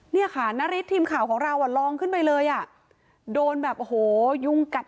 เนี่ยค่ะนาริสทีมข่าวของเราอ่ะลองขึ้นไปเลยอ่ะโดนแบบโอ้โหยุงกัด